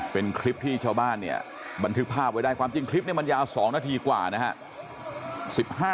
เป็นคลิปที่ชาวบ้านเนี่ยบันทึกภาพไว้ได้ความจริงคลิปนี้มันยาว๒นาทีกว่านะฮะ